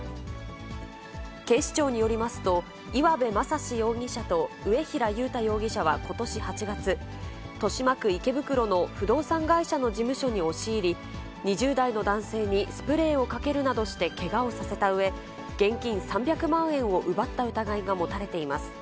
警視庁によりますと、岩部真心容疑者と上平悠太容疑者はことし８月、豊島区池袋の不動産会社の事務所に押し入り、２０代の男性にスプレーをかけるなどしてけがをさせたうえ、現金３００万円を奪った疑いが持たれています。